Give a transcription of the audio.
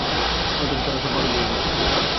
নয়তো বা তোরা সব পাগল হয়ে গেছিস!